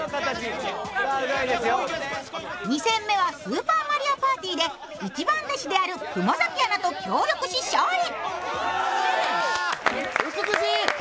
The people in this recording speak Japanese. ２戦目は「スーパーマリオパーティ」で、一番弟子である熊崎アナと協力し、勝利。